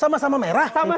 sama sama merah kok pak